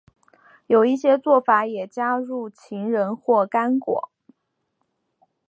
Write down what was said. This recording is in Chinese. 有一些做法也加入榛仁或干果。